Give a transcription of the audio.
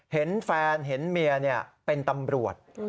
เห็นแฟนเห็นเมียเป็นตำรวจ